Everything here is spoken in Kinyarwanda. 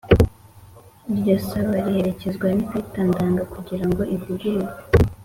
iryo saba riherekezwa n'ikarita ndanga kugira ngo ivugururwe.